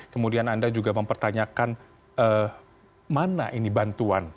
kemudian anda juga mempertanyakan mana ini bantuan